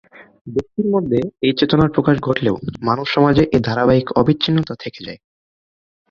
যেগুলো মূল বাড়ি থেকে মঠ পর্যন্ত বিস্তৃত ছিল।